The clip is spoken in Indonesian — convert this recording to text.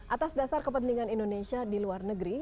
atas dasar kepentingan indonesia di luar negeri